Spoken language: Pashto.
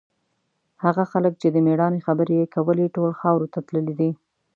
هغه خلک چې د مېړانې خبرې یې کولې، ټول خاورو ته تللي دي.